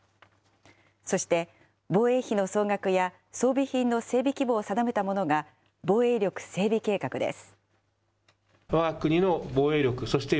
そして、防衛費の総額や装備品の整備規模を定めたものが、防衛力整備計画です。